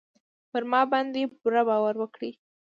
پر ما باندې پوره باور وکړئ.